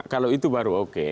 kalau itu baru oke